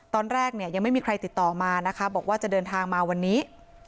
ตอนแรกเนี่ยยังไม่มีใครติดต่อมานะคะบอกว่าจะเดินทางมาวันนี้